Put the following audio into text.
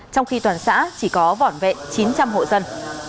trong khi toàn xã chỉ có vỏn vẹn chín trăm linh hộ dân